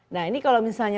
nah ini kalau misalnya